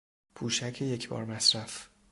پوشک یکبار مصرف